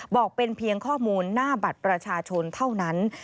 บอกเป็นเพียงข้อมูลหน้าบัตรประชาชนเท่านั้น